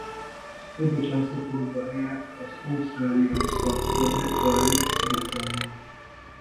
Egyetlen szaporodó helye az Ausztráliához tartozó Macquarie-szigeten van.